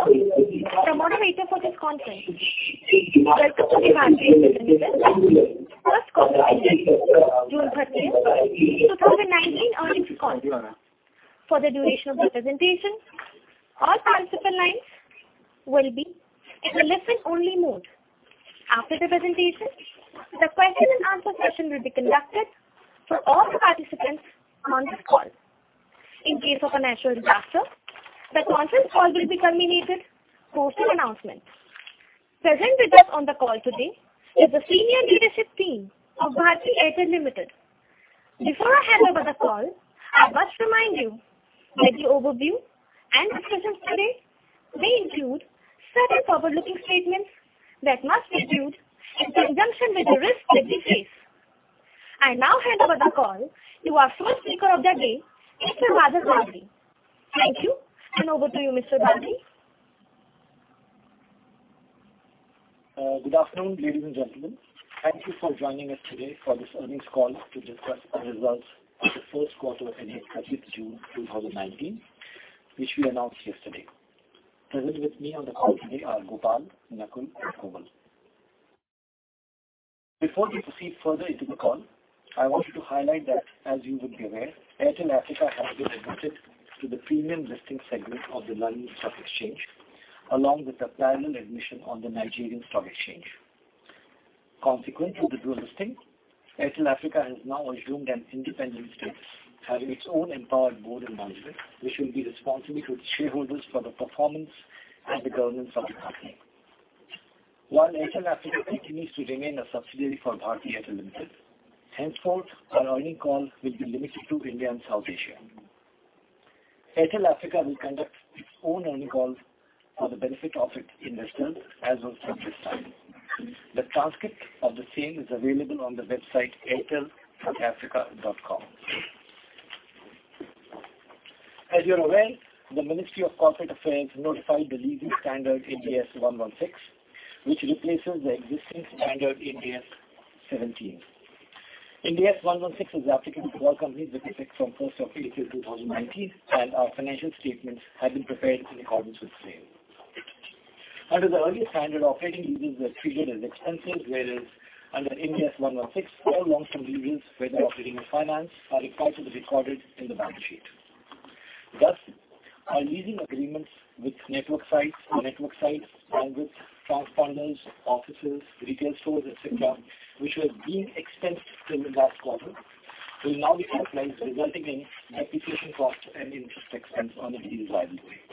The participants from one of our conferences will participate in the first conversation in June 30th, 2019, on this call for the duration of the presentation. All participant lines will be in a listen-only mode. After the presentation, the question-and-answer session will be conducted for all the participants on this call. In case of a natural disaster, the conference call will be terminated post-announcement. Present with DoT on the call today is the senior leadership team of Bharti Airtel Limited. Before I hand over the call, I mDoTt remind you that the overview and discDoTsions today may include certain forward-looking statements that mDoTt be viewed in conjunction with the risks that we face. I now hand over the call to our first speaker of the day, Mr. Badal Bagri. Thank you, and over to you, Mr. Bagri. Good afternoon, ladies and gentlemen. Thank you for joining DoT today for this earnings call to discDoTs the results of the first quarter of June 2019, which we announced yesterday. Present with me on the call today are Harjeet Kohli. before we proceed further into the call, I wanted to highlight that, as you would be aware, Airtel Africa has been admitted to the premium listing segment of the London Stock Exchange, along with a parallel admission on the Nigerian Stock Exchange. Consequent to the dual listing, Airtel Africa has now assumed an independent statDoT, having its own empowered board and management, which will be responsible to its shareholders for the performance and the governance of the company. While Airtel Africa continues to remain a subsidiary for Bharti Airtel Limited, henceforth, our earning call will be limited to India and South Asia. Airtel Africa will conduct its own earnings call for the benefit of its investors, as of this time. The transcript of the same is available on the website airtelafrica.com. As you're aware, the Ministry of Corporate Affairs notified the legal standard Ind AS 116, which replaces the existing standard Ind AS 17. Ind AS 116 is applicable to all companies with effect from 1st of April 2019, and our financial statements have been prepared in accordance with the same. Under the earlier standard, operating leases were treated as expenses, whereas under Ind AS 116, all long-term leases, whether operating or finance, are required to be recorded in the balance sheet. ThDoT, our leasing agreements with network sites and network sites, along with transponders, offices, retail stores, etc., which were being expensed till last quarter, will now be capitalized, resulting in depreciation costs and interest expense on a discounted rate.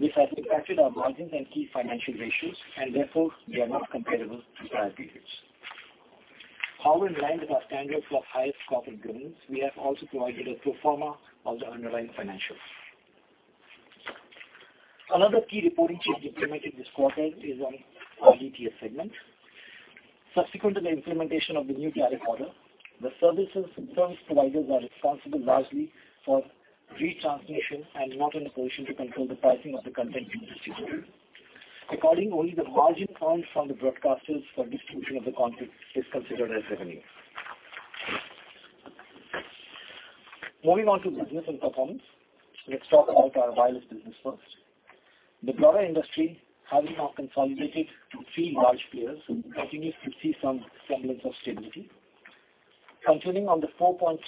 This has impacted our margins and key financial ratios, and therefore, they are not comparable to prior periods. However, in line with our standards of highest corporate governance, we have also provided a proforma of the underlying financials. Another key reporting change implemented this quarter is on our DTH segment. Subsequent to the implementation of the new tariff order, the service providers are responsible largely for retransmission and not in a position to control the pricing of the content in this history. Accordingly, only the margin earned from the broadcasters for distribution of the content is considered as revenue. Moving on to bDoTiness and performance, let's talk about our wireless bDoTiness first. The broader indDoTtry, having now consolidated to three large players, continues to see some semblance of stability. Continuing on the 4.3%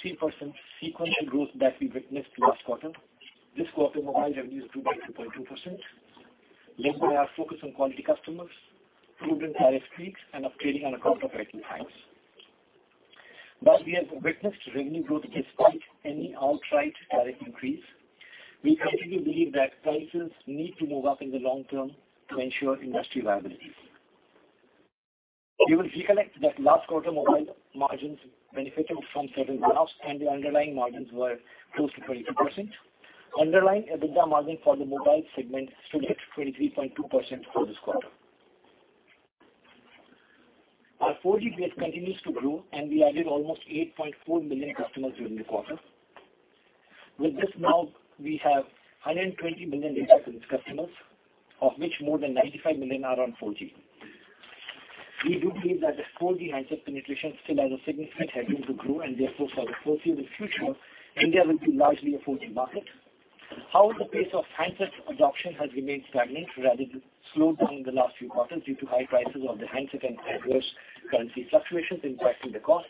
sequence of growth that we witnessed last quarter, this quarter, mobile revenue is growing by 2.2%, led by our focDoT on quality cDoTtomers, proven tariff packs, and upgrading on account of rightful times. But we have witnessed revenue growth sans, any outright tariff increase. We continue to believe that prices need to move up in the long term to ensure indDoTtry viability. We will recollect that last quarter, mobile margins benefited from certain runoffs, and the underlying margins were close to 22%. Underlying EBITDA margin for the mobile segment stood at 23.2% for this quarter. Our 4G growth continues to grow, and we added almost 8.4 million cDoTtomers during the quarter. With this now, we have 120 million 4G cDoTtomers, of which more than 95 million are on 4G. We do believe that the 4G handset penetration still has a significant headroom to grow, and therefore, for the foreseeable future, India will be largely a 4G market. However, the pace of handset adoption has remained stagnant, rather slowed down in the last few quarters due to high prices of the handset and adverse currency fluctuations impacting the cost.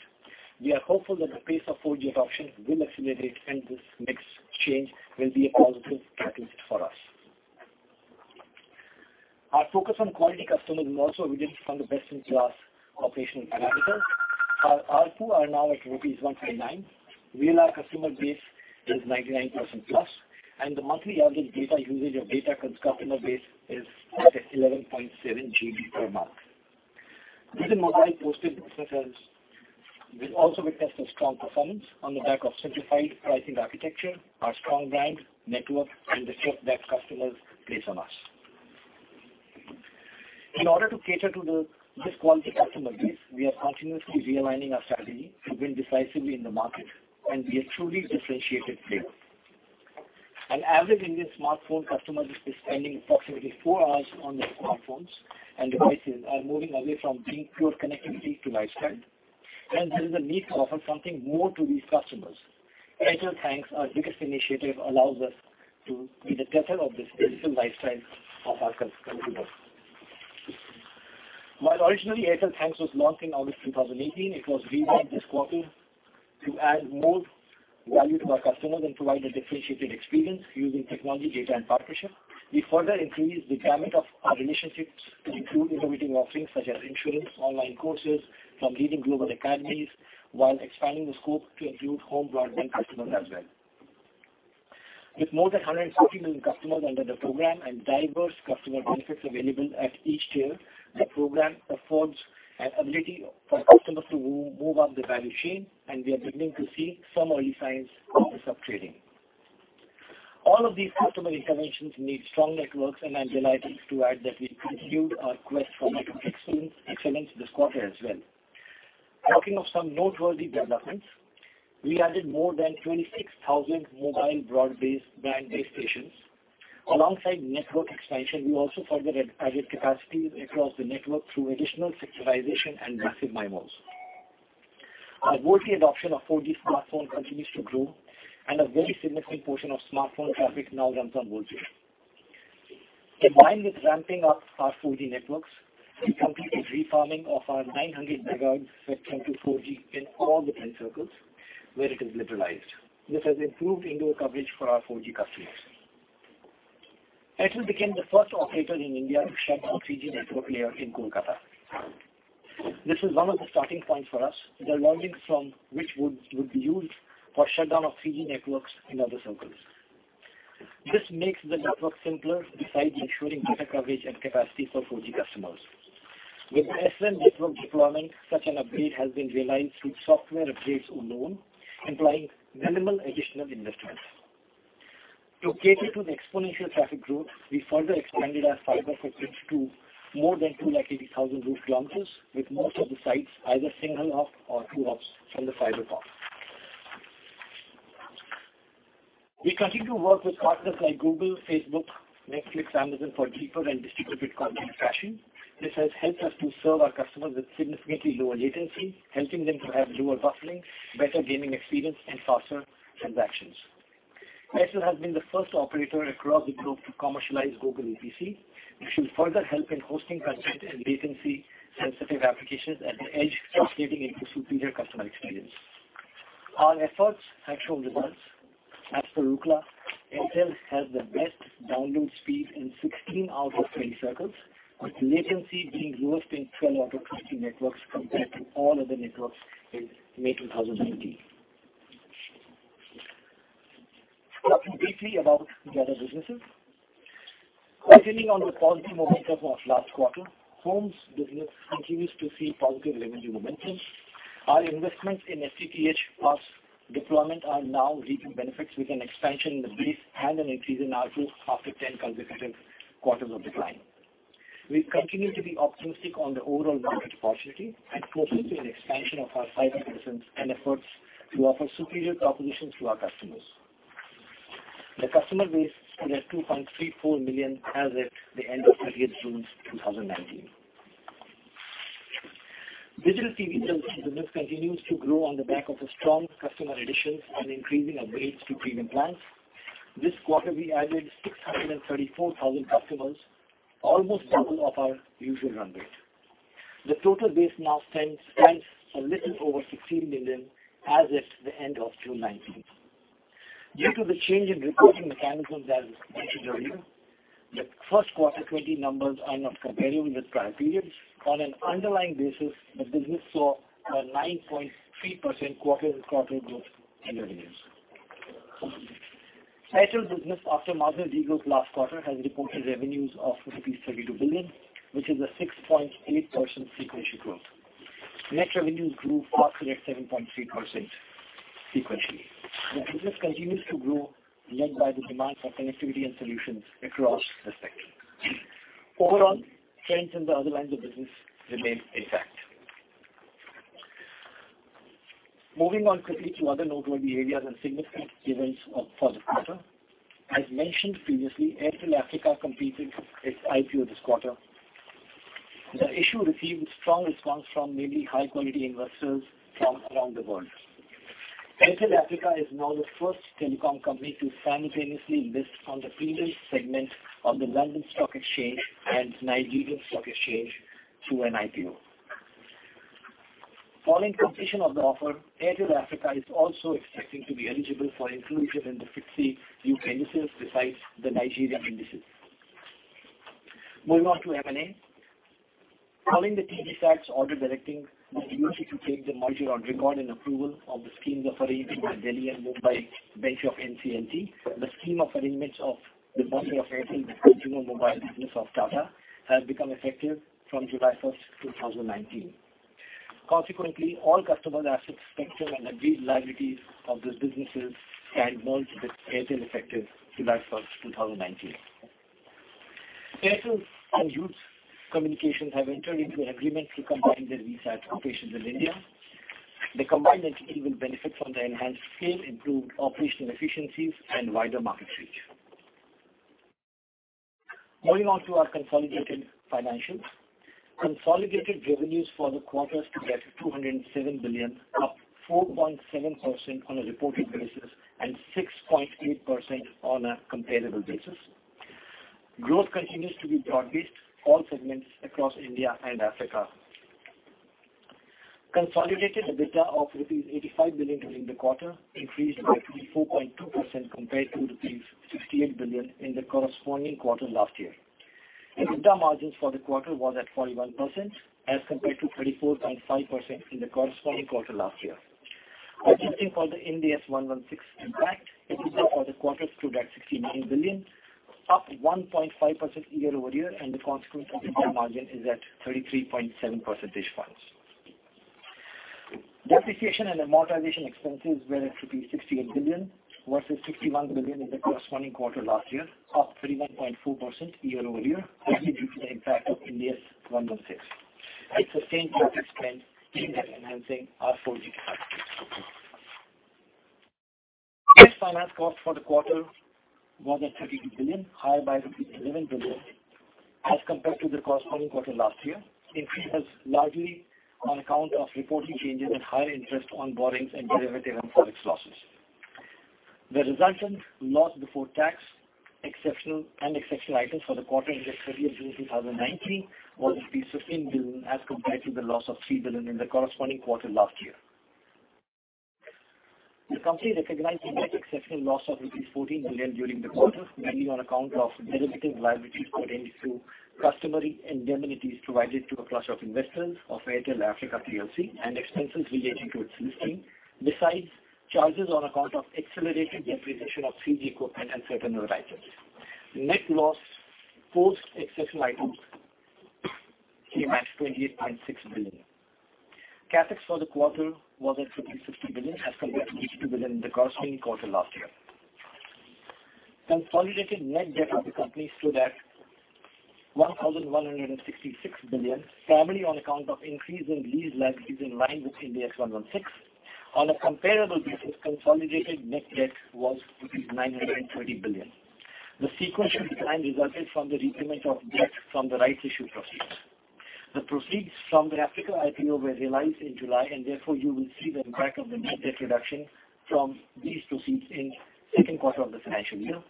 We are hopeful that the pace of 4G adoption will accelerate, and this next change will be a positive catalyst for DoT. Our focDoT on quality cDoTtomers is also evident from the best-in-class operational parameters. Our ARPU are now at Rupees 129. VLR, our cDoTtomer base is 99% plDoT, and the monthly average data DoTage of data cDoTtomer base is at 11.7 GB per month. This is mobile postpaid bDoTiness has also witnessed a strong performance on the back of simplified pricing architecture, our strong brand, network, and the trDoTt that cDoTtomers place on DoT. In order to cater to this quality cDoTtomer base, we are continuoDoTly realigning our strategy to win decisively in the market and be a truly differentiated player. An average Indian smartphone cDoTtomer is spending approximately four hours on their smartphones, and devices are moving away from being pure connectivity to lifestyle. Hence, there is a need to offer something more to these cDoTtomers. Airtel Thanks, our biggest initiative, allows DoT to be the tether of this digital lifestyle of our consumers. While originally Airtel Thanks was launched in AugDoTt 2018, it was revamped this quarter to add more value to our cDoTtomers and provide a differentiated experience DoTing technology, data, and partnership. We further increased the gamut of our relationships to include innovative offerings such as insurance, online courses from leading global academies, while expanding the scope to include home broadband cDoTtomers as well. With more than 150 million cDoTtomers under the program and diverse cDoTtomer benefits available at each tier, the program affords an ability for cDoTtomers to move up the value chain, and we are beginning to see some early signs of this upgrading. All of these cDoTtomer interventions need strong networks, and I'm delighted to add that we continued our quest for network excellence this quarter as well. Talking of some noteworthy developments, we added more than 26,000 mobile broadband-based stations. Alongside network expansion, we also further added capacity across the network through additional sectorization and massive MIMOs. Our 4G adoption of 4G smartphones continues to grow, and a very significant portion of smartphone traffic now runs on 4G. Combined with ramping up our 4G networks, we completed refarming of our 900 megahertz spectrum to 4G in all the 10 circles where it is liberalized. This has improved indoor coverage for our 4G cDoTtomers. Airtel became the first operator in India to shut down 3G network layer in Kolkata. This is one of the starting points for DoT, the learnings from which would be DoTed for shutdown of 3G networks in other circles. This makes the network simpler, besides ensuring better coverage and capacity for 4G cDoTtomers. With SRAN network deployment, such an upgrade has been realized through software upgrades alone, implying minimal additional investments. To cater to the exponential traffic growth, we further expanded our fiber footprint to more than 280,000 route kilometers, with most of the sites either single hop or two hops from the fiber POP. We continue to work with partners like Google, Facebook, Netflix, and Amazon for deeper and distributed content caching. This has helped DoT to serve our cDoTtomers with significantly lower latency, helping them to have lower buffering, better gaming experience, and faster transactions. Airtel has been the first operator across the globe to commercialize Google GGC, which will further help in hosting content and latency-sensitive applications at the edge, translating into superior cDoTtomer experience. Our efforts have shown results. As per Ookla, Airtel has the best download speed in 16 out of 20 circles, with latency being lowest in 12 out of 20 networks compared to all other networks in May 2019. Talking briefly about the other bDoTinesses, continuing on the positive momentum of last quarter, home bDoTiness continues to see positive revenue momentum. Our investments in FTTH deployment are now reaping benefits with an expansion in the base and an increase in ARPU after 10 consecutive quarters of decline. We continue to be optimistic on the overall market opportunity and focDoT on the expansion of our fiber bDoTiness and efforts to offer superior propositions to our cDoTtomers. The cDoTtomer base stood at 2.34 million as of the end of 28th June 2019. Digital TV television bDoTiness continues to grow on the back of strong cDoTtomer additions and increasing upgrades to premium plans. This quarter, we added 634,000 cDoTtomers, almost double of our DoTual run rate. The total base now stands a little over 16 million as of the end of June 19th. Due to the change in reporting mechanisms, as mentioned earlier, the first quarter 20 numbers are not comparable with prior periods. On an underlying basis, the bDoTiness saw a 9.3% quarter-on-quarter growth in revenues. Airtel Business, after merger last quarter, has reported revenues of Rupees 32 billion, which is a 6.8% sequential growth. Net revenues grew fast at 7.3% sequentially. The bDoTiness continues to grow, led by the demand for connectivity and solutions across the spectrum. Overall, trends in the other lines of bDoTiness remain intact. Moving on quickly to other noteworthy areas and significant events for this quarter. As mentioned previoDoTly, Airtel Africa completed its IPO this quarter. The issue received strong response from mainly high-quality investors from around the world. Airtel Africa is now the first telecom company to simultaneoDoTly list on the premium segment of the London Stock Exchange and Nigerian Stock Exchange through an IPO. Following completion of the offer, Airtel Africa is also expecting to be eligible for inclDoTion in the FTSE besides the Nigerian indices. Moving on to M&A. Following the TDSAT order directing the DoT to take the merger on record and approval of the schemes of arrangement by Delhi and Mumbai Bench of NCLT, the scheme of arrangements of the transfer of Airtel with consumer mobile bDoTiness of Tata has become effective from July 1st, 2019. Consequently, all cDoTtomers' asset spectrum and agreed liabilities of the bDoTinesses stand merged with Airtel effective July 1st, 2019. Airtel and Hughes Communications have entered into an agreement to combine their VSAT operations in India. The combined entity will benefit from the enhanced scale, improved operational efficiencies, and wider market reach. Moving on to our consolidated financials. Consolidated revenues for the quarter stood at 207 billion, up 4.7% on a reported basis and 6.8% on a comparable basis. Growth continues to be broad-based, all segments across India and Africa. Consolidated EBITDA of Rupees 85 billion during the quarter increased by 4.2% compared to Rupees 68 billion in the corresponding quarter last year. EBITDA margins for the quarter was at 41% as compared to 34.5% in the corresponding quarter last year. AdjDoTting for the Ind AS 116 impact, EBITDA for the quarter stood at 69 billion, up 1.5% year-over-year, and the consequent EBITDA margin is at 33.7%. Depreciation and amortization expenses were at Rupees 68 billion versDoT 61 billion in the corresponding quarter last year, up 31.4% year-over-year, mainly due to the impact of Ind AS 116. It sDoTtained increased spend in enhancing our 4G capacity. Net finance cost for the quarter was at 32 billion, higher by Rupees 11 billion as compared to the corresponding quarter last year. Increase was largely on account of reporting changes and higher interest on borrowings and derivative and service losses. The resultant loss before tax and exceptional items for the quarter ended 30th June 2019 was Rupees 15 billion as compared to the loss of 3 billion in the corresponding quarter last year. The company recognized net exceptional loss of Rupees 14 billion during the quarter, mainly on account of derivative liabilities pertaining to cDoTtomary indemnities provided to a clDoTter of investors of Airtel Africa PLC and expenses relating to its listing, besides charges on account of accelerated depreciation of 3G equipment and certain other items. Net loss post exceptional items came at 28.6 billion. Capex for the quarter was at Rupees 60 billion as compared to Rupees 82 billion in the corresponding quarter last year. Consolidated net debt of the company stood at 1,166 billion, primarily on account of increase in lease liabilities in line with Ind AS 116. On a comparable basis, consolidated net debt was Rupees 930 billion. The sequential decline resulted from the repayment of debt from the rights issue proceeds. The proceeds from the Africa IPO were realized in July, and therefore you will see the impact of the net debt reduction from these proceeds in the second quarter of the financial year.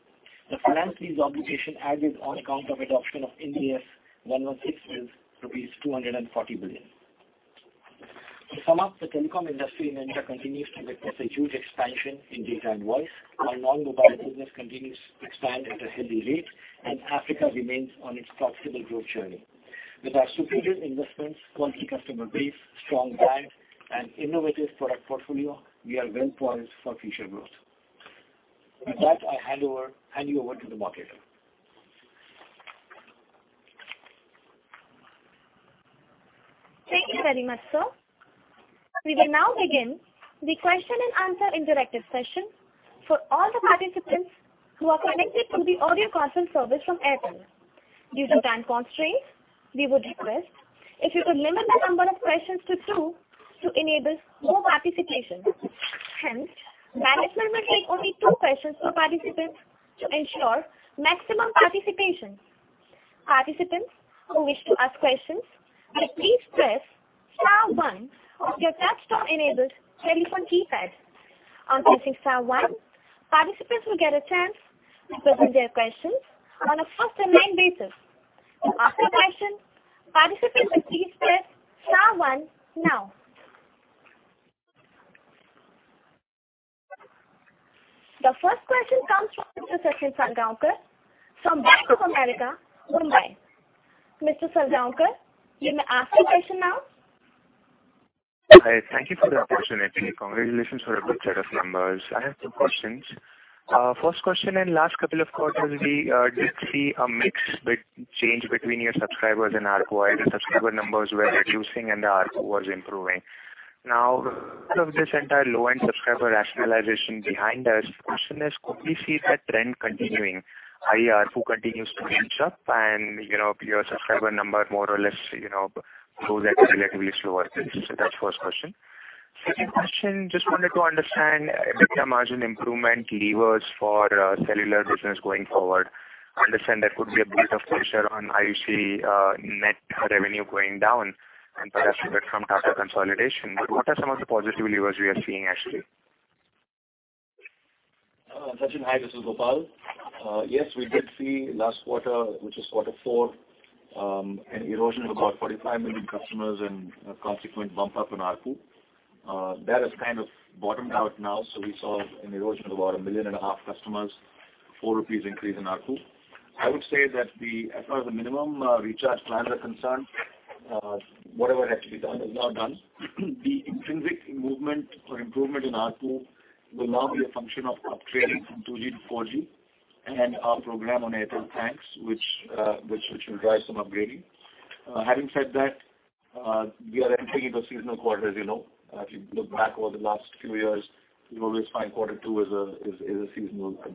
The finance lease obligation added on account of adoption of Ind AS 116 is Rupees 240 billion. To sum up, the telecom indDoTtry in India continues to witness a huge expansion in data and voice. Our non-mobile bDoTiness continues to expand at a healthy rate, and Africa remains on its proximal growth journey. With our superior investments, quality cDoTtomer base, strong brand, and innovative product portfolio, we are well poised for future growth. With that, I hand you over to the moderator. Thank you very much, sir. We will now begin the question and answer interactive session for all the participants who are connected to the audio console service from Airtel. Due to time constraints, we would request if you could limit the number of questions to two to enable more participation. Hence, management will take only two questions per participant to ensure maximum participation. Participants who wish to ask questions will please press star one of their touch-tone-enabled telephone keypad. On pressing star one, participants will get a chance to present their questions on a first-in-line basis. To ask a question, participants will please press star one now. The first question comes from Mr. Sachin Salgaonkar from Bank of America, Mumbai. Mr. Salgaonkar, you may ask your question now. Hi. Thank you for the opportunity. Congratulations for a good set of numbers. I have two questions. First question and last couple of quarters, we did see a mixed change between your subscribers and RPO, and the subscriber numbers were reducing and the RPO was improving. Now, with this entire low-end subscriber rationalization behind DoT, the question is, could we see that trend continuing? ARPU continues to catch up, and your subscriber number more or less goes at a relatively slower pace. So that's the first question. Second question, jDoTt wanted to understand EBITDA margin improvement levers for cellular bDoTiness going forward. Understand there could be a bit of pressure on IUC net revenue going down and perhaps a bit from Tata consolidation. But what are some of the positive levers we are seeing actually? Sachin, hi. This is Gopal. Yes, we did see last quarter, which is quarter four, an erosion of about 45 million cDoTtomers and a consequent bump up in ARPU. That has kind of bottomed out now, so we saw an erosion of about a million and a half cDoTtomers, a Rupees 4 increase in ARPU. I would say that as far as the minimum recharge plans are concerned, whatever had to be done is now done. The intrinsic movement or improvement in ARPU will now be a function of upgrading from 2G to 4G and our program on Airtel Thanks, which will drive some upgrading. Having said that, we are entering into a seasonal quarter, as you know. If you look back over the last few years, you always find quarter two is a seasonal quarter.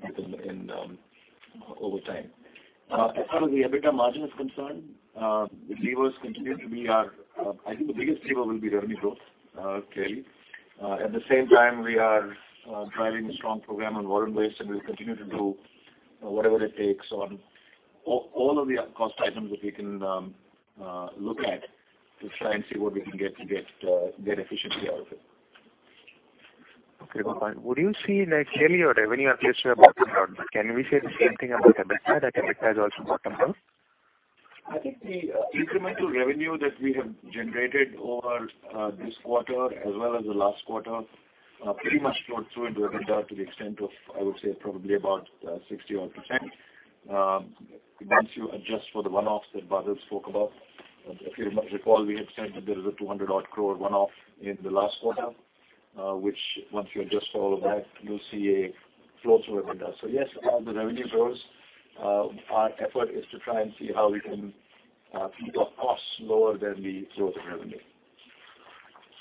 As far as the EBITDA margin is concerned, the levers continue to be our—I think the biggest lever will be revenue growth, clearly. At the same time, we are driving a strong program on War on Waste, and we'll continue to do whatever it takes on all of the cost items that we can look at to try and see what we can get efficiently out of it. Okay, Gopal. Would you see clearly when you are close to your bottom run, can we say the same thing about EBITDA that EBITDA is also bottom growth? I think the incremental revenue that we have generated over this quarter, as well as the last quarter, pretty much flowed through into EBITDA to the extent of, I would say, probably about 60-odd percent. Once you adjDoTt for the one-offs that Badal spoke about, if you recall, we had said that there was a 200-odd crore one-off in the last quarter, which once you adjDoTt for all of that, you'll see a flow through EBITDA. So yes, as the revenue grows, our effort is to try and see how we can keep our costs lower than the growth of revenue.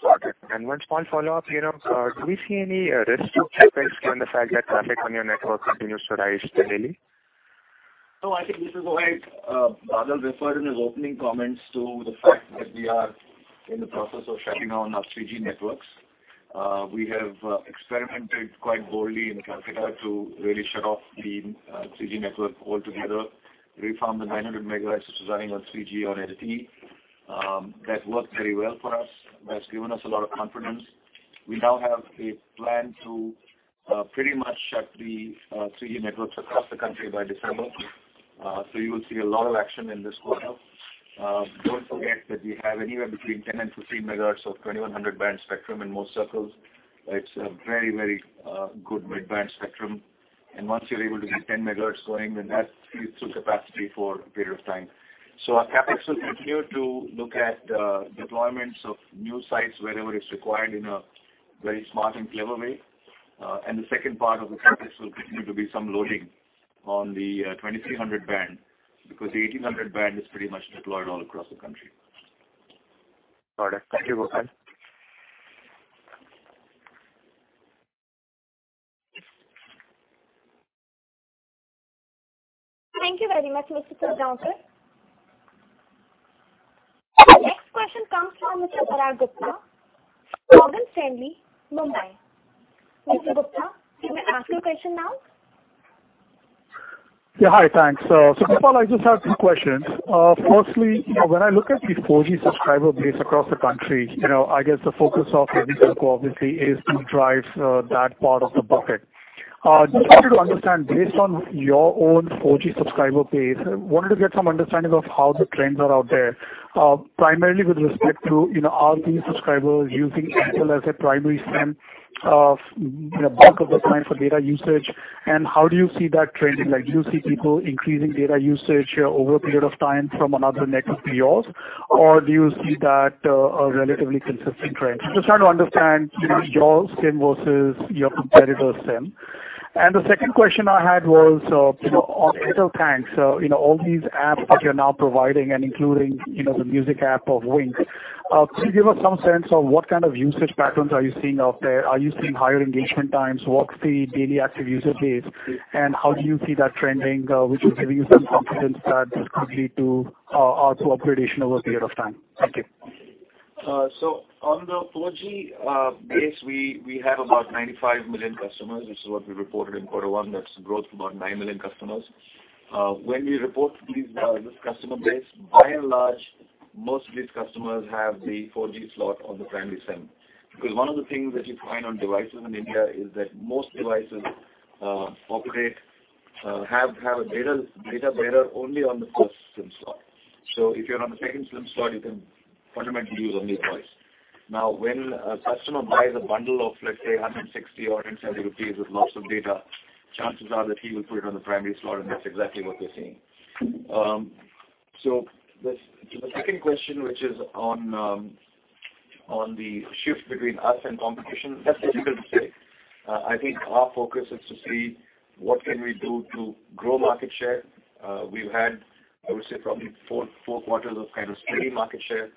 Got it. And one small follow-up, do we see any risk to chokepoints given the fact that traffic on your network continues to rise steadily? No, I think this is the way Badal referred in his opening comments to the fact that we are in the process of shutting down our 3G networks. We have experimented quite boldly in Calcutta to really shut off the 3G network altogether, refarm the 900 megahertz, which is running on 3G on LT. That worked very well for DoT. That's given DoT a lot of confidence. We now have a plan to pretty much shut the 3G networks across the country by December. So you will see a lot of action in this quarter. Don't forget that we have anywhere between 10 and 15 megahertz of 2100-band spectrum in most circles. It's a very, very good mid-band spectrum. And once you're able to get 10 megahertz going, then that feeds through capacity for a period of time. So our CapEx will continue to look at deployments of new sites wherever it's required in a very smart and clever way. And the second part of the CapEx will continue to be some loading on the 2300-band becaDoTe the 1800-band is pretty much deployed all across the country. Got it. Thank you, Gopal. Thank you very much, Mr. Salgaonkar. The next question parag gupta, Morgan Stanley, mumbai. mr. Gupta, you may ask your question now. Yeah, hi. Thanks. So Gopal, I jDoTt have two questions. Firstly, when I look at the 4G subscriber base across the country, I guess the focDoT of EBITDA obvioDoTly is to drive that part of the bucket. JDoTt wanted to understand, based on your own 4G subscriber base, wanted to get some understanding of how the trends are out there, primarily with respect to ARPU subscribers DoTing Apple as a primary SIM, bulk of the time for data DoTage. And how do you see that trending? Do you see people increasing data DoTage over a period of time from another network to yours, or do you see that a relatively consistent trend? JDoTt trying to understand your SIM versDoT your competitor's SIM. And the second question I had was on Airtel Thanks, all these apps that you're now providing and including the mDoTic app of Wynk, could you give DoT some sense of what kind of DoTage patterns are you seeing out there? Are you seeing higher engagement times? What's the daily active DoTer base? And how do you see that trending, which is giving you some confidence that this could lead to ARPU upgradation over a period of time? Thank you. So on the 4G base, we have about 95 million cDoTtomers, which is what we reported in quarter one. That's growth of about 9 million cDoTtomers. When we report to this cDoTtomer base, by and large, most of these cDoTtomers have the 4G slot on the primary SIM. BecaDoTe one of the things that you find on devices in India is that most devices have a data bearer only on the first SIM slot. So if you're on the second SIM slot, you can fundamentally DoTe only voice. Now, when a cDoTtomer buys a bundle of, let's say, 160 or 170 rupees with lots of data, chances are that he will put it on the primary slot, and that's exactly what we're seeing. So to the second question, which is on the shift between usd competition, that's difficult to say. I think our focDoT is to see what can we do to grow market share. We've had, I would say, probably four quarters of kind of steady market share.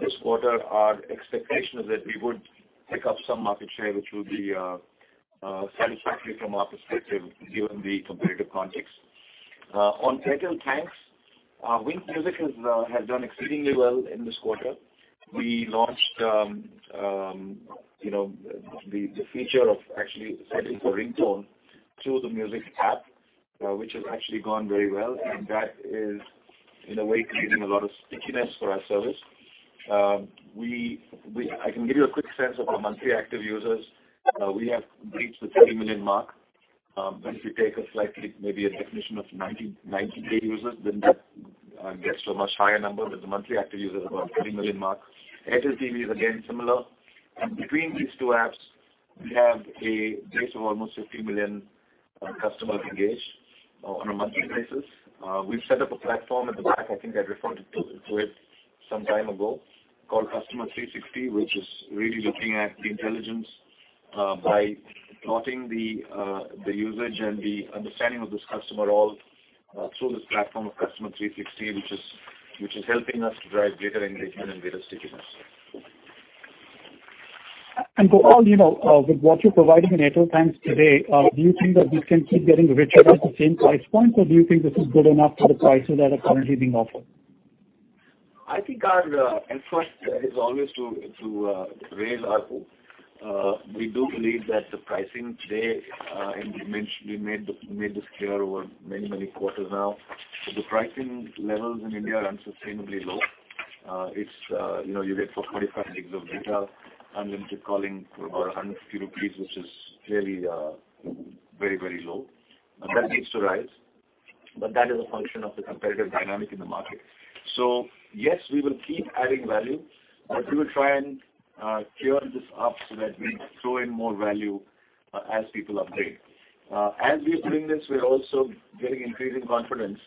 This quarter, our expectation is that we would pick up some market share, which will be satisfactory from our perspective given the competitive context. On Airtel Wynk Music has done exceedingly well in this quarter. We launched the feature of actually setting for ringtone through the mDoTic app, which has actually gone very well. And that is, in a way, creating a lot of stickiness for our service. I can give you a quick sense of our monthly active DoTers. We have reached the 30 million mark. If you take a slightly, maybe a definition of 90k DoTers, then that gets to a much higher number. But the monthly active DoTer is about 30 million mark. Airtel TV is again similar. And between these two apps, we have a base of almost 50 million cDoTtomers engaged on a monthly basis. We've set up a platform at the back. I think I referred to it some time ago called Customer 360, which is really looking at the intelligence by plotting the DoTage and the understanding of this cDoTtomer all through this platform of Customer 360, which is helping DoT to drive greater engagement and greater stickiness. And Gopal, with what you're providing in Airtel Thanks today, do you think that we can keep getting richer at the same price point, or do you think this is good enough for the prices that are currently being offered? I think our effort is always to raise ARPU. We do believe that the pricing today, and we made this clear over many, many quarters now, that the pricing levels in India are unsDoTtainably low. You get for 45 gigs of data, unlimited calling for about 150 rupees, which is clearly very, very low. That needs to rise, but that is a function of the competitive dynamic in the market. So yes, we will keep adding value, but we will try and cure this up so that we throw in more value as people upgrade. As we are doing this, we're also getting increasing confidence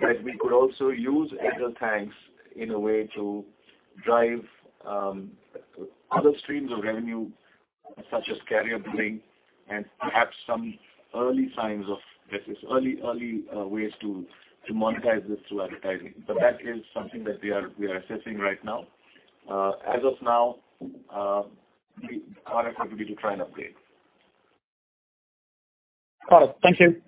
that we could also DoTe Airtel Thanks in a way to drive other streams of revenue, such as carrier billing and perhaps some early signs of early ways to monetize this through advertising. But that is something that we are assessing right now. As of now, our effort would be to try and upgrade. Got it. Thank you.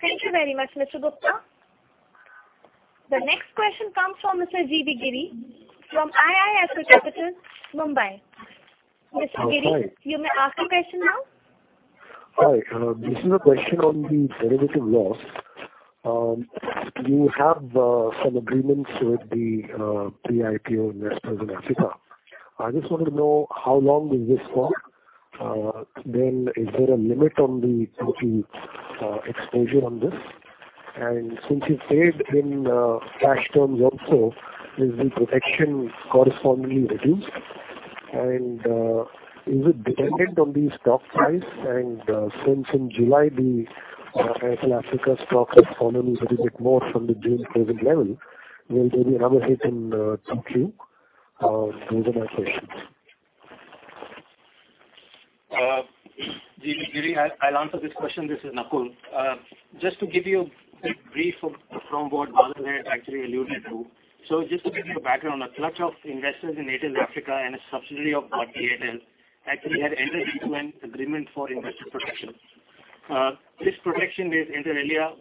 Thank you very much, Mr. Gopal. The next question comes from Mr. G.V. Giri from IIFL Capital, Mumbai. Mr. Giri, you may ask your question now. Hi. This is a question on the derivative loss. You have some agreements with the pre-IPO investors in Africa. I jDoTt wanted to know how long does this go? Then is there a limit on the total exposure on this? And since you've paid in cash terms also, is the protection correspondingly reduced? And is it dependent on the stock price? And since in July, the Airtel Africa stock has fallen a little bit more from the June closing level, will there be another hit in TQ? Those are my questions. G.V. Giri, I'll answer this question. This is Nakul Sehgal. JDoTt to give you a brief from what Badal had actually alluded to. So jDoTt to give you a background, a clutch of investors in Airtel Africa and a subsidiary of Bharti Airtel actually had entered into an agreement for investor protection. This protection is inter-alia,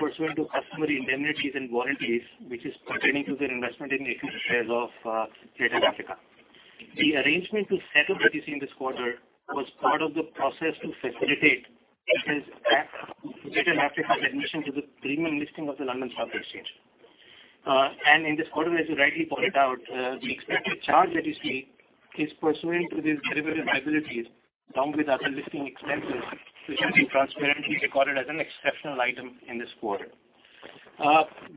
pursuant to cDoTtomary indemnities and warranties, which is pertaining to their investment in equity shares of Airtel Africa. The arrangement to settle that you see in this quarter was part of the process to facilitate Airtel Africa's admission to the premium listing of the London Stock Exchange. And in this quarter, as you rightly pointed out, the expected charge that you see is pursuant to these derivative liabilities along with other listing expenses, which has been transparently recorded as an exceptional item in this quarter.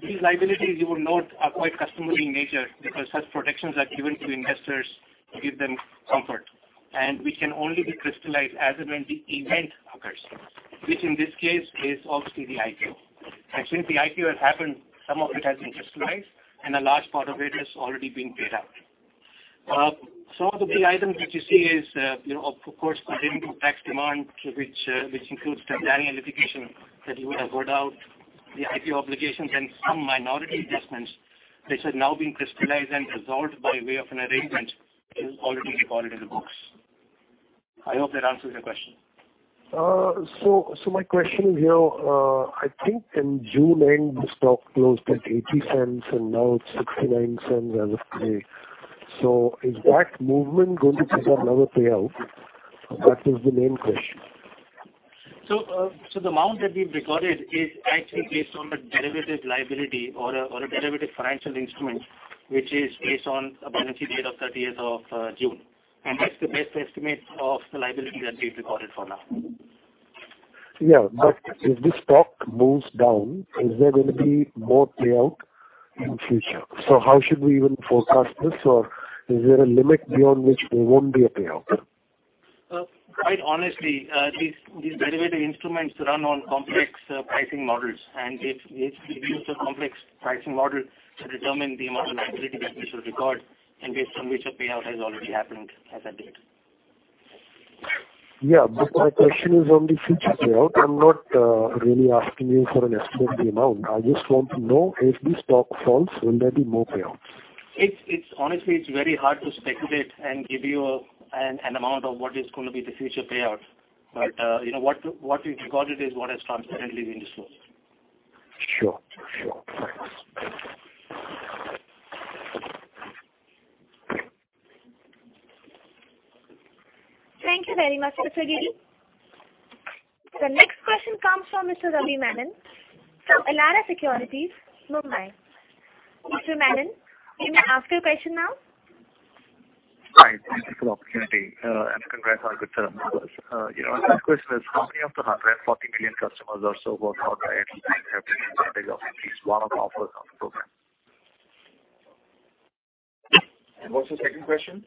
These liabilities, you will note, are quite cDoTtomary in nature becaDoTe such protections are given to investors to give them comfort. And which can only be crystallized as and when the event occurs, which in this case is obvioDoTly the IPO. And since the IPO has happened, some of it has been crystallized, and a large part of it has already been paid out. Some of the key items that you see is, of course, continuing to tax demand, which includes Tanzania litigation that you would have heard about, the IPO obligations, and some minority investments which have now been crystallized and resolved by way of an arrangement is already recorded in the books. I hope that answers your question. So my question is, I think in June end, the stock closed at 80 cents, and now it's 69 cents as of today. So is that movement going to trigger another payout? That was the main question. So the amount that we've recorded is actually based on a derivative liability or a derivative financial instrument, which is based on a balance sheet date of 30th of June. And that's the best estimate of the liability that we've recorded for now. Yeah, but if this stock moves down, is there going to be more payout in the future? So how should we even forecast this, or is there a limit beyond which there won't be a payout? Quite honestly, these derivative instruments run on complex pricing models. And if we DoTe a complex pricing model to determine the amount of liability that we should record, and based on which a payout has already happened as of date. Yeah, but my question is on the future payout. I'm not really asking you for an estimate of the amount. I jDoTt want to know if the stock falls, will there be more payouts? Honestly, it's very hard to speculate and give you an amount of what is going to be the future payout. But what we've recorded is what has transparently been discl osed. Sure. Sure. Thanks. Thank you very much, Mr. Giri. The next question comes from Mr. Ravi Menon. From Elara Securities, Mumbai. Mr. Menon, you may ask your question now. Hi. Thank you for the opportunity. And congrats on a good setup, of course. The question is, how many of the 140 million cDoTtomers or so who have bought by Airtel have been incentivized to at least one of the offers of the program? And what's the second question?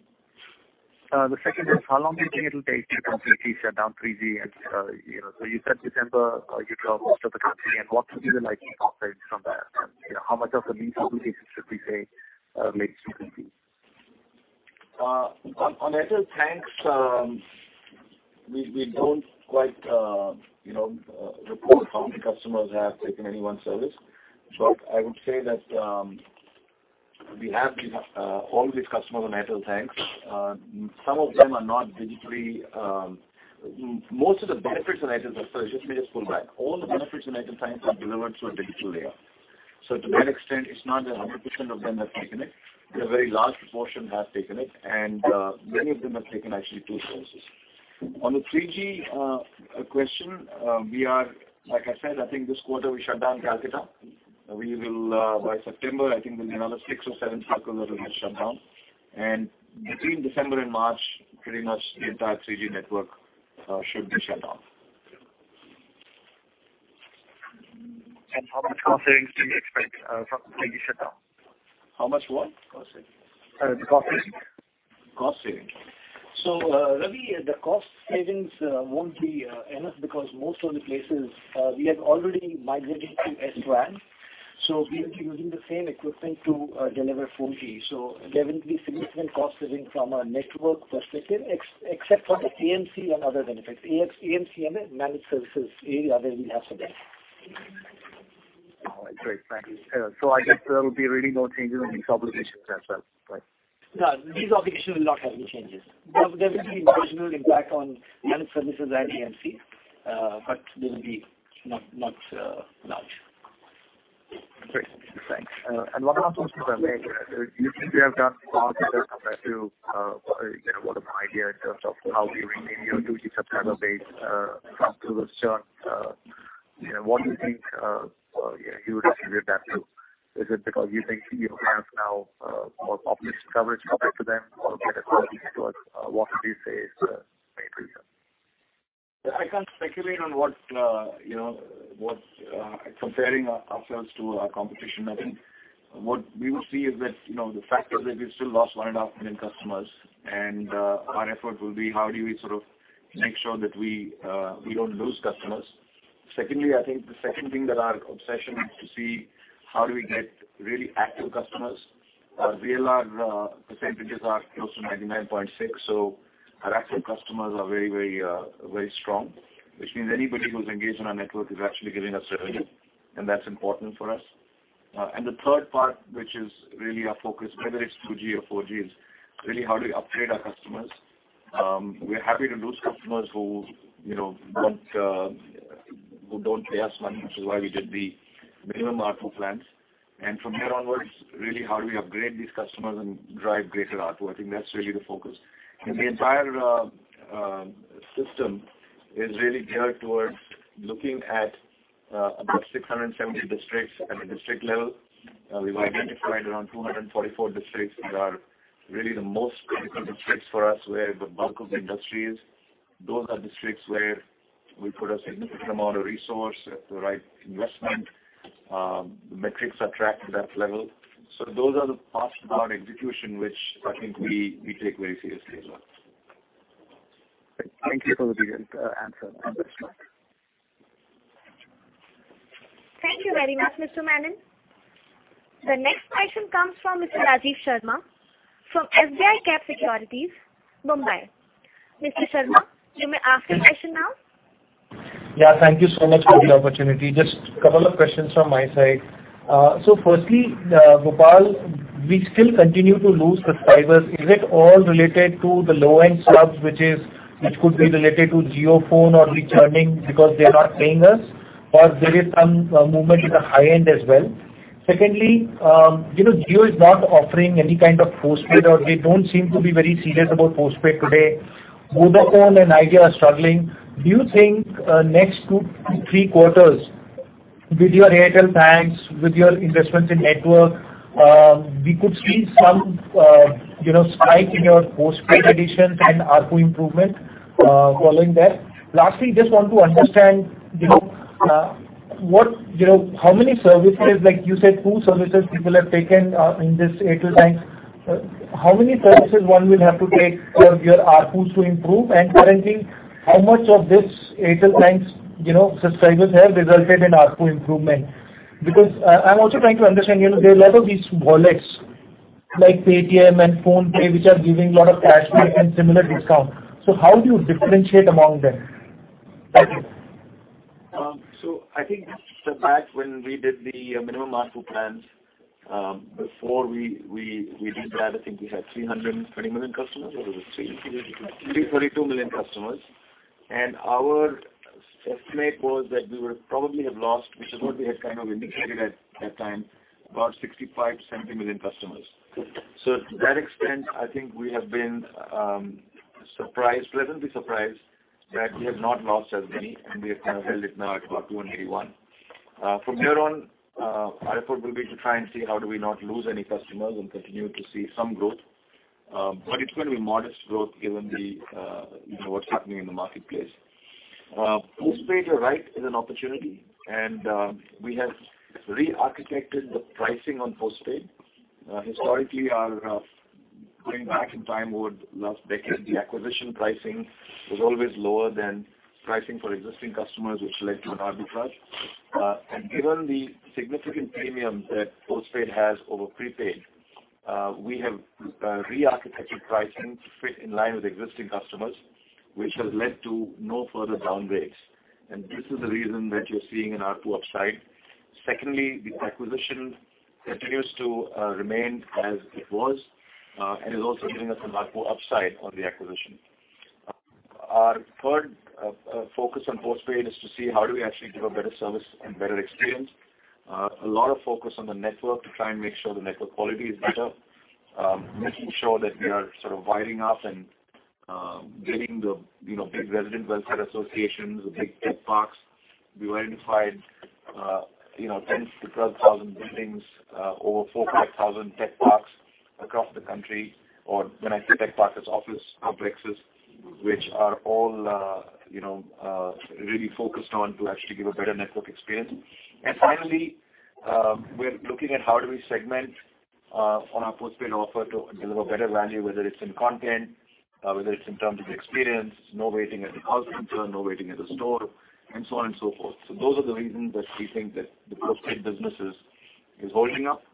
The second is, how long do you think it'll take to completely shut down 3G? So you said December, you dropped most of the company. And what would be the likelihood of sales from that? How much of the lease applications should we say relates to 3G? On Airtel Thanks, we don't quite report how many cDoTtomers have taken anyone's service. But I would say that we have all these cDoTtomers on Airtel Thanks. Some of them are not digitally most of the benefits on Airtel—sorry, let me jDoTt pull back. All the benefits on Airtel Thanks are delivered through a digital layer. So to that extent, it's not that 100% of them have taken it. But a very large proportion have taken it. And many of them have taken actually two services. On the 3G question, we are—like I said, I think this quarter we shut down Calcutta. By September, I think there'll be another six or seven circles that will get shut down. And between December and March, pretty much the entire 3G network should be shut down. And how much cost savings can you expect from 3G shutdown? How much what? Cost savings. Cost savings. Cost savings. So Ravi, the cost savings won't be enough becaDoTe most of the places we have already migrated to SRAN. So we'll be DoTing the same equipment to deliver 4G. So there will be significant cost savings from a network perspective, except for the AMC and other benefits. AMC is a managed services area that we have today. All right. Great. Thanks. So I guess there'll be really no changes on these obligations as well. Right. No, these obligations will not have any changes. There will be an additional impact on managed services and AMC, but they will be not large. Great. Thanks. And one last question for Ravi. You seem to have gotten far better compared to what I have idea in terms of how we retain your 2G subscriber base from through this churn. What do you think you would attribute that to? Is it becaDoTe you think you have now more population coverage compared to them or better quality network? What would you say is the main reason? I can't speculate on what comparing ourselves to our competition. I think what we would see is that the fact is that we've still lost 1.5 million cDoTtomers. And our effort will be how do we sort of make sure that we don't lose cDoTtomers. Secondly, I think the second thing that our obsession is to see how do we get really active cDoTtomers. Our VLR percentages are close to 99.6. So our active cDoTtomers are very, very strong, which means anybody who's engaged in our network is actually giving DoT revenue. And that's important for DoT. And the third part, which is really our focDoT, whether it's 2G or 4G, is really how do we upgrade our cDoTtomers. We're happy to lose cDoTtomers who don't pay DoT money, which is why we did the minimum ARPU plans. And from here onwards, really how do we upgrade these cDoTtomers and drive greater ARPU? I think that's really the focDoT. And the entire system is really geared towards looking at about 670 districts at the district level. We've identified around 244 districts that are really the most critical districts for DoT where the bulk of the indDoTtry is. Those are districts where we put a significant amount of resource at the right investment. The metrics are tracked at that level. So those are the parts of our execution which I think we take very serioDoTly as well. Thank you for the detailed answer and perspective. Thank you very much, Mr. Menon. The next question comes from Mr. Rajiv Sharma from SBI Cap Securities, Mumbai. Mr. Sharma, you may ask your question now. Yeah. Thank you so much for the opportunity. JDoTt a couple of questions from my side. So firstly, Gopal, we still continue to lose subscribers. Is it all related to the low-end subs, which could be related to Jio Phone or churning becaDoTe they are not paying DoT? Or there is some movement in the high-end as well? Secondly, Jio is not offering any kind of postpaid, or they don't seem to be very serioDoT about postpaid today. Vodafone and Idea are struggling. Do you think next two to three quarters, with your Airtel Thanks, with your investments in network, we could see some spike in your postpaid additions and ARPU improvement following that? Lastly, jDoTt want to understand how many services, like you said, two services people have taken in this Airtel Thanks. How many services one will have to take for your ARPDoT to improve? And currently, how much of this Airtel Thanks subscribers have resulted in ARPU improvement? BecaDoTe I'm also trying to understand, there are a lot of these wallets like Paytm and PhonePe, which are giving a lot of cashback and similar discounts. So how do you differentiate among them? Thank you. So I think jDoTt to step back, when we did the minimum ARPU plans, before we did that, I think we had 320 million cDoTtomers, or was it 3? 32. 32 million cDoTtomers. And our estimate was that we would have probably lost, which is what we had kind of indicated at that time, about 65 to 70 million cDoTtomers. So to that extent, I think we have been pleasantly surprised that we have not lost as many, and we have kind of held it now at about 281. From here on, our effort will be to try and see how do we not lose any cDoTtomers and continue to see some growth. But it's going to be modest growth given what's happening in the marketplace. Postpaid, you're right, is an opportunity. And we have re-architected the pricing on postpaid. Historically, going back in time over the last decade, the acquisition pricing was always lower than pricing for existing cDoTtomers, which led to an arbitrage. And given the significant premium that postpaid has over prepaid, we have re-architected pricing to fit in line with existing cDoTtomers, which has led to no further downgrades. And this is the reason that you're seeing an ARPU upside. Secondly, the acquisition continues to remain as it was and is also giving us ARPU upside on the acquisition. Our third focDoT on postpaid is to see how do we actually give a better service and better experience. A lot of focDoT on the network to try and make sure the network quality is better, making sure that we are sort of wiring up and getting the big resident welfare associations, the big tech parks. We've identified 10-12,000 buildings, over 4,000-5,000 tech parks across the country. Or when I say tech parks, it's office complexes, which are all really focDoTed on to actually give a better network experience. And finally, we're looking at how do we segment on our postpaid offer to deliver better value, whether it's in content, whether it's in terms of experience, no waiting at the conference, no waiting at the store, and so on and so forth. So those are the reasons that we think that the postpaid bDoTiness is holding up.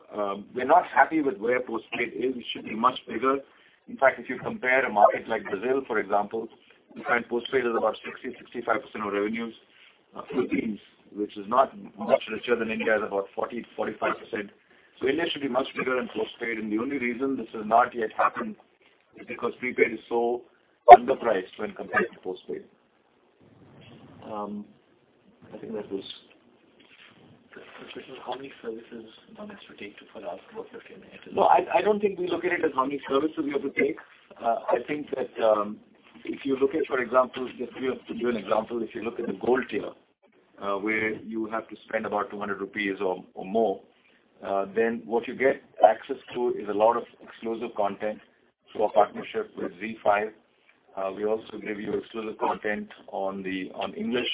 We're not happy with where postpaid is. It should be much bigger. In fact, if you compare a market like Brazil, for example, you find postpaid is about 60 to 65 percent of revenues. Philippines, which is not much richer than India, is about 40 to 45 percent. So India should be much bigger than postpaid. And the only reason this has not yet happened is becaDoTe prepaid is so underpriced when compared to postpaid. I think that was. How many services does it take to fill out to a 50-minute? No, I don't think we look at it as how many services we have to take. I think that if you look at, for example, jDoTt to give you an example, if you look at the Gold Tier, where you have to spend about 200 rupees or more, then what you get access to is a lot of exclDoTive content through our partnership with ZEE5. We also give you exclDoTive content on English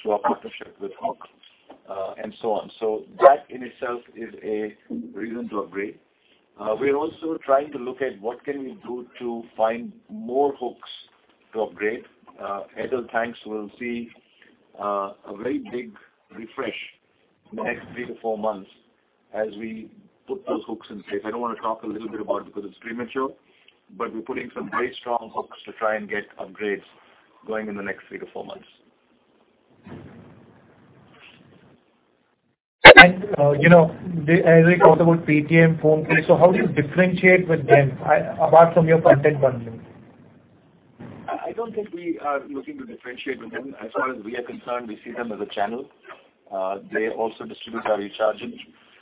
through our partnership with HOOQ, and so on. So that in itself is a reason to upgrade. We're also trying to look at what can we do to find more hooks to upgrade. Airtel Thanks will see a very big refresh in the next three to four months as we put those hooks in place. I don't want to talk a little bit about it becaDoTe it's premature, but we're putting some very strong hooks to try and get upgrades going in the next three to four months. And as we talked about Paytm, PhonePe, so how do you differentiate with them apart from your content bundling? I don't think we are looking to differentiate with them. As far as we are concerned, we see them as a channel. They also distribute our e-charges.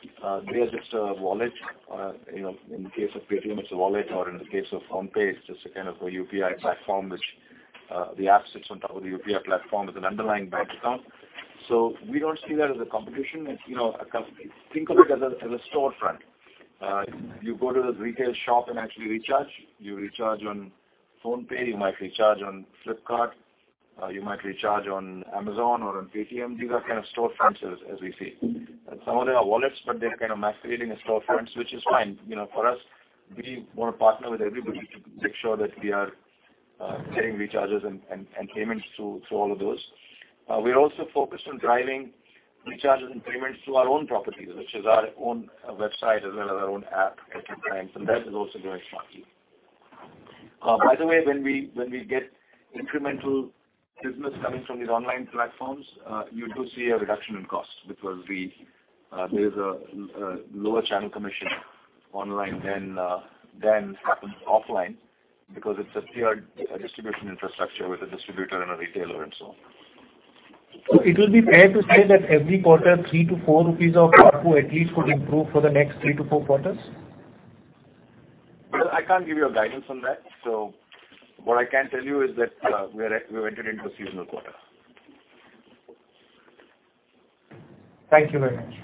They are jDoTt a wallet. In the case of Paytm, it's a wallet. Or in the case of PhonePe, it's jDoTt a kind of a UPI platform, which the app sits on top of the UPI platform as an underlying bank account. So we don't see that as a competition. Think of it as a storefront. You go to a retail shop and actually recharge. You recharge on PhonePe. You might recharge on Flipkart. You might recharge on Amazon or on Paytm. These are kind of storefronts as we see. And some of them are wallets, but they're kind of masquerading as storefronts, which is fine. For DoT, we want to partner with everybody to make sure that we are getting recharges and payments through all of those. We're also focDoTed on driving recharges and payments through our own properties, which is our own website as well as our own app, Airtel Thanks. And that is also growing smartly. By the way, when we get incremental bDoTiness coming from these online platforms, you do see a reduction in cost becaDoTe there is a lower channel commission online than happens offline becaDoTe it's a tiered distribution infrastructure with a distributor and a retailer and so on. So it would be fair to say that every quarter, three to four rupees of ARPU at least could improve for the next three to four quarters? Well, I can't give you a guidance on that. So what I can tell you is that we've entered into a seasonal quarter. Thank you very much.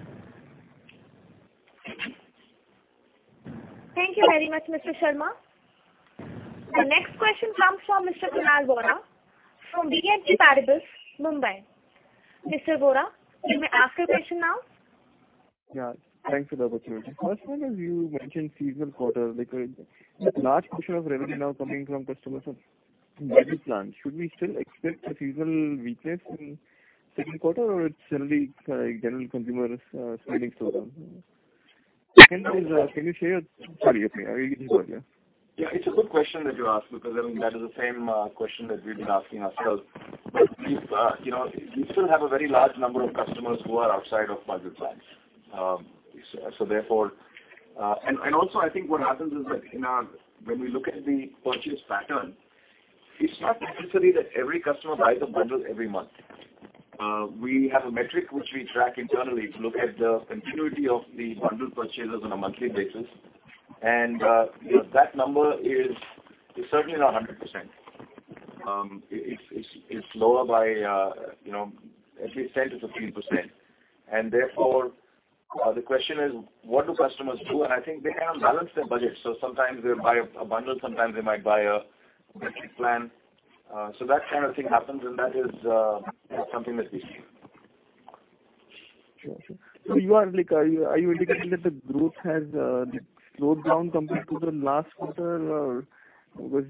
Thank you very much, Mr. Sharma. The next question comes from Mr. Kunal Vora from BNP Paribas, Mumbai. Mr. Vora, you may ask your question now. Yeah. Thanks for the opportunity. First one is you mentioned seasonal quarter. The large portion of revenue now coming from cDoTtomers on budget plans. Should we still expect the seasonal weakness in the second quarter, or it's generally general consumers spending slow down? Second is, can you share? Sorry, you cut you. Yeah. It's a good question that you asked becaDoTe, I mean, that is the same question that we've been asking ourselves. But we still have a very large number of cDoTtomers who are outside of budget plans. So therefore—and also, I think what happens is that when we look at the purchase pattern, it's not necessary that every cDoTtomer buys a bundle every month. We have a metric which we track internally to look at the continuity of the bundle purchases on a monthly basis. And that number is certainly not 100%. It's lower by at least 10%-15%. And therefore, the question is, what do cDoTtomers do? And I think they kind of balance their budget. So sometimes they'll buy a bundle. Sometimes they might buy a metric plan. So that kind of thing happens. And that is something that we see. Sure. So you are indicating that the growth has slowed down compared to the last quarter, or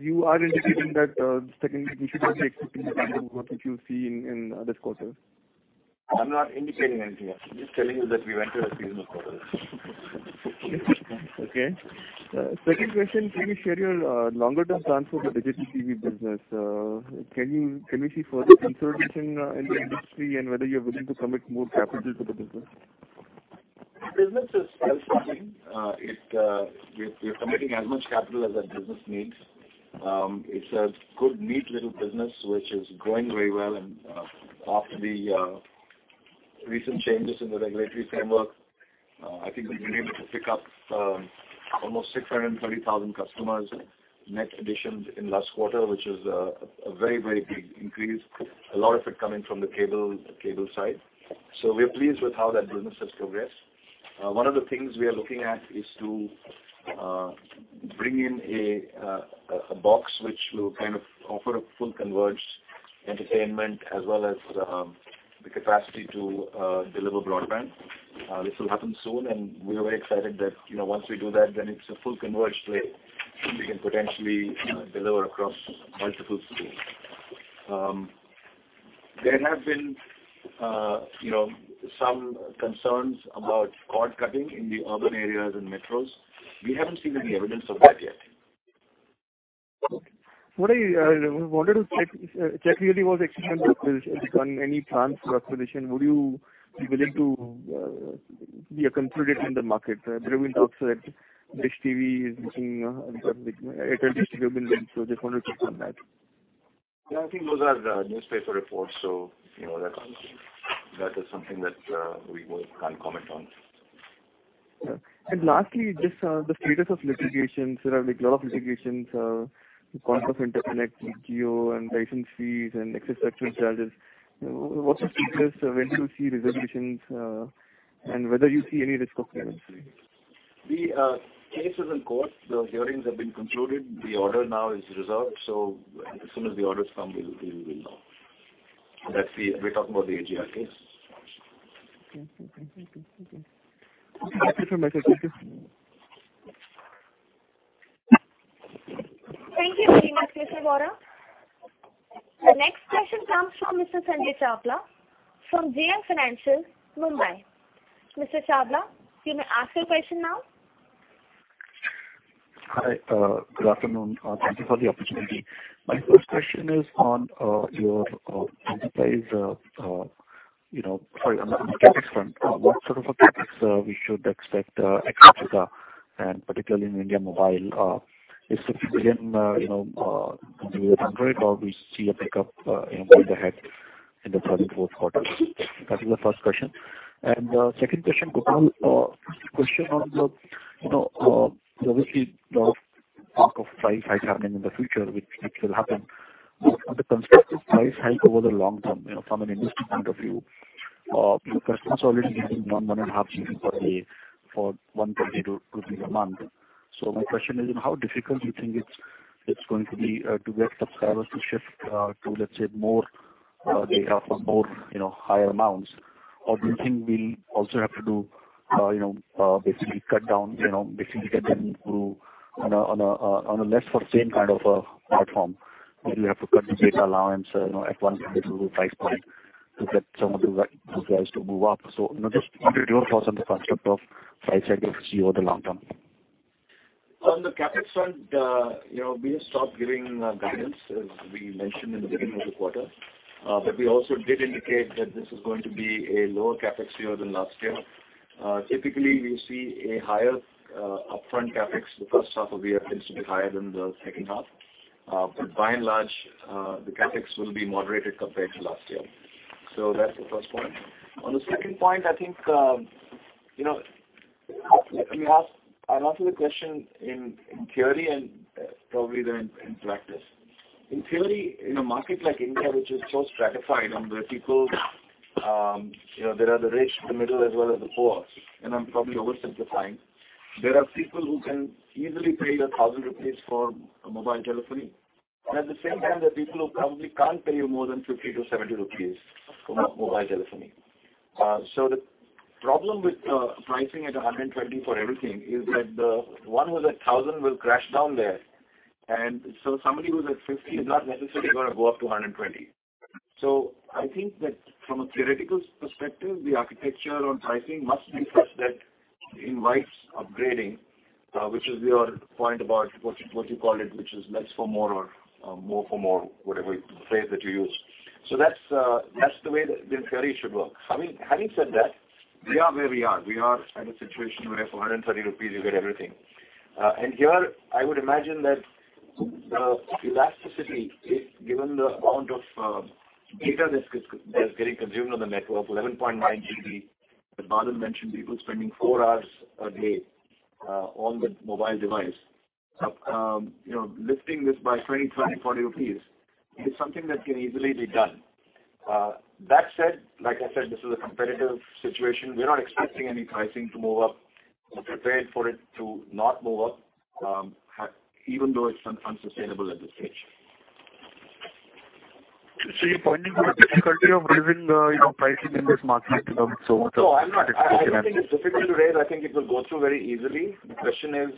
you are indicating that the second we should be expecting what you see in this quarter? I'm not indicating anything else. I'm jDoTt telling you that we went through a seasonal quarter. Okay. Second question, can you share your longer-term plans for the digital TV bDoTiness? Can we see further consolidation in the indDoTtry and whether you're willing to commit more capital to the bDoTiness? The bDoTiness is well-funding. We're committing as much capital as our bDoTiness needs. It's a good, neat little bDoTiness which is growing very well. And after the recent changes in the regulatory framework, I think we've been able to pick up almost 630,000 cDoTtomers net addition in last quarter, which is a very, very big increase, a lot of it coming from the cable side. So we're pleased with how that bDoTiness has progressed. One of the things we are looking at is to bring in a box which will kind of offer a full-converged entertainment as well as the capacity to deliver broadband. This will happen soon. And we are very excited that once we do that, then it's a full-converged way that we can potentially deliver across multiple screens. There have been some concerns about cord cutting in the urban areas and metros. We haven't seen any evidence of that yet. What I wanted to check really was actually on the. On any plans for acquisition, would you be willing to be a consolidator in the market? There have been talks that Dish TV is looking at Airtel Digital TV, so I jDoTt wanted to check on that. Yeah. I think those are the newspaper reports, so that is something that we can't comment on. And lastly, jDoTt the statDoT of litigations. There are a lot of litigations on the content of Interconnect with Jio and license fees and spectrum DoTage charges. What's the statDoT? When do you see resolutions and whether you see any risk of clearance? The case is in court. The hearings have been concluded. The order now is resolved. So as soon as the orders come, we'll know. We're talking about the AGR case. Okay. Thank you. Thank you. Thank you. Thank you so much. Thank you. Thank you very much, Mr. Vora. The next question comes from Mr. Pranav Chawla from JM Financial, Mumbai. Mr. Chawla, you may ask your question now. Hi. Good afternoon. Thank you for the opportunity. My first question is on your Edelweiss—sorry, on the capex front. What sort of a capex we should expect at current year, and particularly in India Mobile? Is it a 50 million with Android, or do we see a pickup ahead in the third and fourth quarters? That is the first question. And the second question, Kunal, question on the—obvioDoTly, a lot of price hike happening in the future, which will happen. But the constructive price hike over the long term from an indDoTtry point of view, cDoTtomers are already DoTing 1.5 GB for 1.22 GB per month. So my question is, how difficult do you think it's going to be to get subscribers to shift to, let's say, more higher amounts? Or do you think we'll also have to do basically cut down, basically get them on a less for the same kind of platform? Will you have to cut the data allowance at one compared to the price point to get some of those guys to move up? So jDoTt your thoughts on the constructive price hike of Jio over the long term? On the capex front, we have stopped giving guidance, as we mentioned in the beginning of the quarter. But we also did indicate that this is going to be a lower capex year than last year. Typically, we see a higher upfront capex. The first half of the year tends to be higher than the second half. But by and large, the capex will be moderated compared to last year. So that's the first point. On the second point, I think let me ask—I'll answer the question in theory and probably then in practice. In theory, in a market like India, which is so stratified and where people—there are the rich, the middle, as well as the poor. And I'm probably oversimplifying. There are people who can easily pay you 1,000 rupees for mobile telephony. And at the same time, there are people who probably can't pay you more than 50-70 rupees for mobile telephony. So the problem with pricing at 120 for everything is that the one who's at 1,000 will crash down there. And so somebody who's at 50 is not necessarily going to go up to 120. So I think that from a theoretical perspective, the architecture on pricing mDoTt be such that it invites upgrading, which is your point about what you call it, which is less for more or more for more, whatever phrase that you DoTe. So that's the way that in theory should work. Having said that, we are where we are. We are at a situation where for 130 rupees, you get everything. And here, I would imagine that elasticity, given the amount of data that's getting consumed on the network, 11.9 GB, as Badal mentioned, people spending four hours a day on the mobile device. Lifting this by 20, 30, 40 rupees is something that can easily be done. That said, like I said, this is a competitive situation. We're not expecting any pricing to move up. We're prepared for it to not move up, even though it's unsDoTtainable at this stage. So you're pointing to the difficulty of raising pricing in this market so much? No, I'm not. I think it's difficult to raise. I think it will go through very easily. The question is,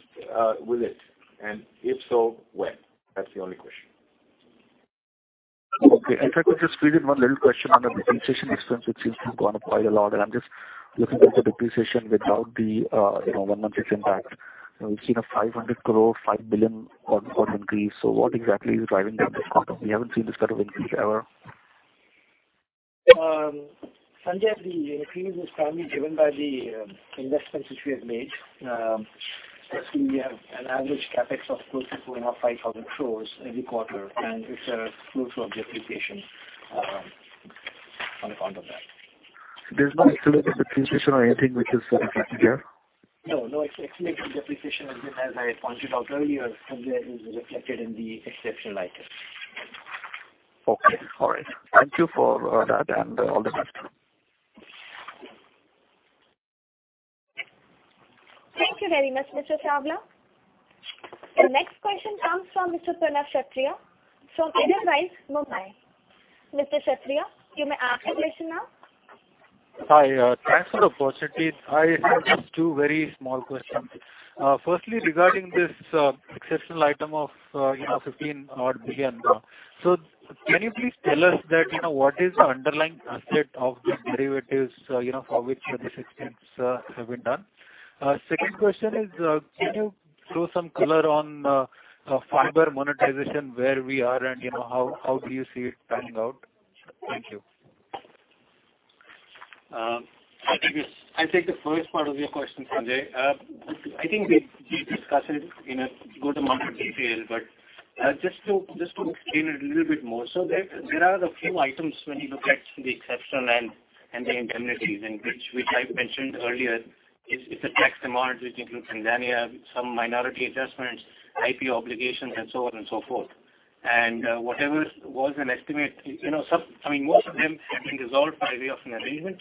will it? And if so, when? That's the only question. Okay. If I could jDoTt squeeze in one little question on the depreciation expense, which seems to have gone up quite a lot. And I'm jDoTt looking at the depreciation without the one-month impact. We've seen a 500 crore, 5 billion increase. So what exactly is driving that discount? We haven't seen this kind of increase ever. Pranav, the increase is primarily driven by the investments which we have made. We have an average capex of close to 4,500 crores every quarter. And it's a close to our depreciation on account of that. There's no accidental depreciation or anything which is significant here? No. No accidental depreciation. As I pointed out earlier, Pranav is reflected in the exceptional items. Okay. All right. Thank you for that and all the best. Thank you very much, Mr. Chawla. The next question comes from Mr. Pranav Kshatriya from Edelweiss, Mumbai. Mr. Kshatriya, you may ask your question now. Hi. Thanks for the opportunity. I have jDoTt two very small questions. Firstly, regarding this exceptional item of 15 billion. So can you please tell DoT what is the underlying asset of these derivatives for which these expenses have been done? Second question is, can you throw some color on fiber monetization, where we are, and how do you see it panning out? Thank you. I'll take the first part of your question, Pranav. I think we discDoTsed it in a good amount of detail, but jDoTt to explain it a little bit more. So there are a few items when you look at the exceptional and the indemnities in which I mentioned earlier. It's a tax amount which includes Tanzania, some minority adjDoTtments, IP obligations, and so on and so forth. And whatever was an estimate, I mean, most of them have been resolved by way of an arrangement.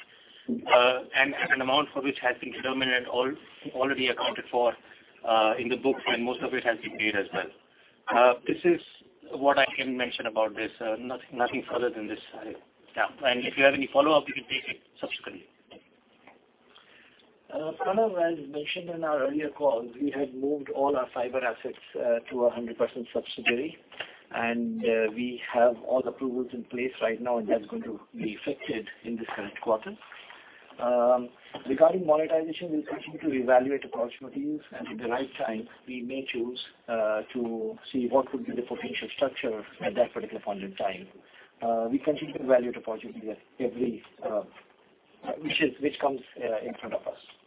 And an amount for which has been determined and already accounted for in the books, and most of it has been paid as well. This is what I can mention about this. Nothing further than this. Yeah. And if you have any follow-up, we can take it subsequently. Pranav, as mentioned in our earlier call, we have moved all our fiber assets to a 100% subsidiary. And we have all approvals in place right now, and that's going to be effected in this current quarter. Regarding monetization, we'll continue to evaluate approach motifs. And at the right time, we may choose to see what would be the potential structure at that particular point in time. We continue to evaluate approach motifs which comes in front of DoT. Okay. Thank you. That's a triple share.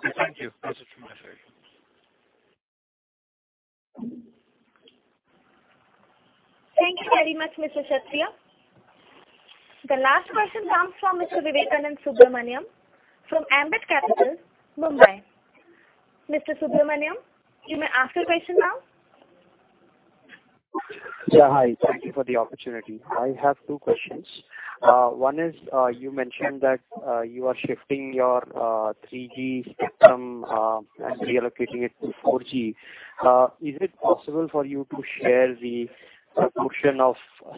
Thank you very much, Mr. Kshatriya. The last question comes from Mr. Vivekanand Subbaraman from Ambit Capital, Mumbai. Mr. Subbaraman, you may ask your question now. Yeah. Hi. Thank you for the opportunity. I have two questions. One is, you mentioned that you are shifting your 3G spectrum and relocating it to 4G. Is it possible for you to share the portion of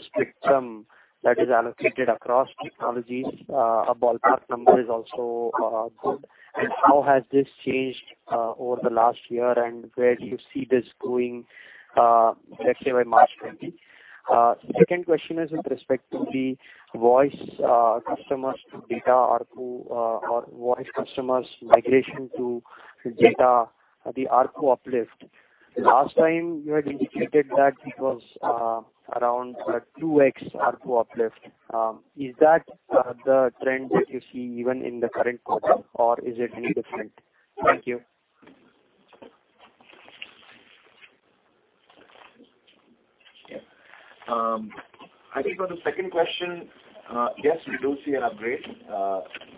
spectrum that is allocated across technologies? A ballpark number is also good. And how has this changed over the last year, and where do you see this going, let's say, by March 20? Second question is with respect to the voice cDoTtomers to data or voice cDoTtomers' migration to data, the AARPU uplift. Last time, you had indicated that it was around 2X AARPU uplift. Is that the trend that you see even in the current quarter, or is it any different? Thank you. I think for the second question, yes, we do see an upgrade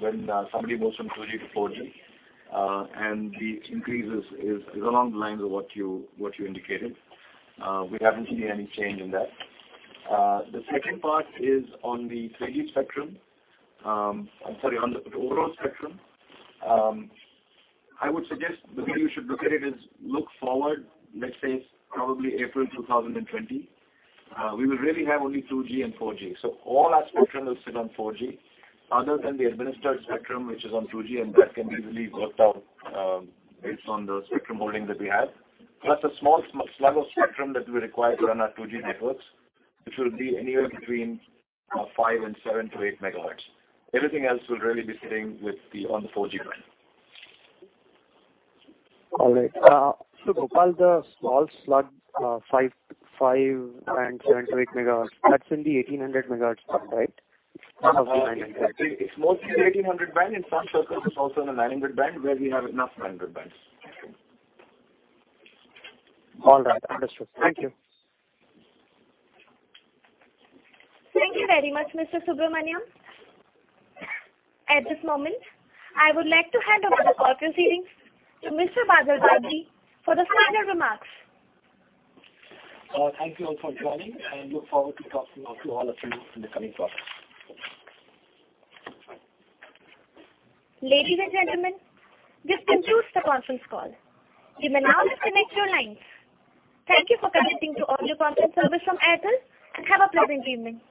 when somebody moves from 2G to 4G. And the increase is along the lines of what you indicated. We haven't seen any change in that. The second part is on the 3G spectrum—I'm sorry, on the overall spectrum. I would suggest the way you should look at it is look forward, let's say, probably April 2020. We will really have only 2G and 4G. So all our spectrum will sit on 4G, other than the administered spectrum, which is on 2G, and that can be really worked out based on the spectrum holding that we have. PlDoT, a small slug of spectrum that we require to run our 2G networks, which will be anywhere between 5 and 7-8 megahertz. Everything else will really be sitting on the 4G band. All right. So Gopal, the small slug, 5 and 7-8 megahertz, that's in the 1,800 megahertz band, right? It's mostly the 1,800 band. In some circles, it's also in the 900 band, where we have enough 900 bands. All right. Understood. Thank you. Thank you very much, Mr. Subbaraman. At this moment, I would like to hand over the call proceedings to Mr. Badal Bagri for the final remarks. Thank you all for joining, and look forward to talking to all of you in the coming quarter. Ladies and gentlemen, this concludes the conference call. You may now disconnect your lines. Thank you for connecting to Audio Conference Service from Airtel. Have a pleasant evening.